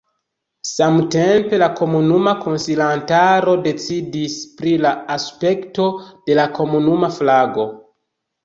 Samtempe la komunuma konsilantaro decidis pri la aspekto de la komunuma flago.